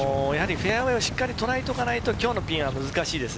フェアウエーをしっかり捉えておかないと今日のピンは難しいです。